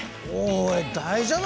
おい！